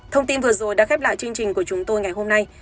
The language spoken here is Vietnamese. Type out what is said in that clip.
thông tin vừa rồi đã khép lại chương trình của chúng tôi ngày hôm nay